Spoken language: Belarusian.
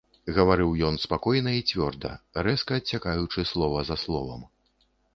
Гаварыў ён спакойна і цвёрда, рэзка адсякаючы слова за словам.